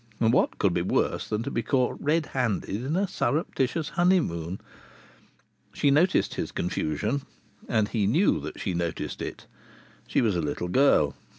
What could be worse than to be caught red handed in a surreptitious honeymoon? She noticed his confusion, and he knew that she noticed it. She was a little girl.